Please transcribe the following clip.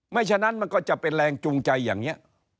ฉะนั้นมันก็จะเป็นแรงจูงใจอย่างนี้